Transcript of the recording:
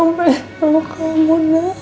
mama pengen ketemu kamu